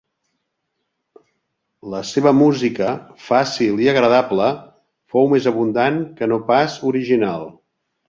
La seva música fàcil i agradable, fou més abundant que no pas original.